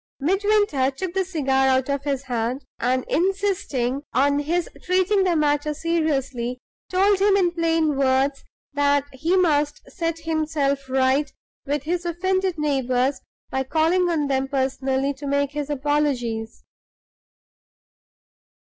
Midwinter took the cigar out of his hand, and, insisting on his treating the matter seriously, told him in plain words that he must set himself right with his offended neighbors by calling on them personally to make his apologies.